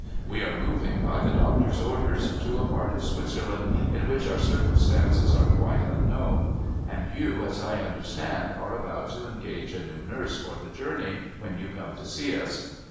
We are moving, by the doctor's orders', to a part of Switzerland in which our circumstances are quite unknown ; and you, as I understand, are about to engage a new nurse for the journey when you come to see us.